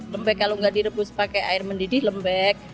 lembek kalau nggak direbus pakai air mendidih lembek